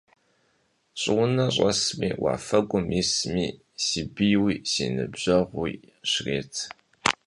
Щӏыунэ щӏэсми, уафэгум исми, си бийуи си ныбжьэгъууи щрет.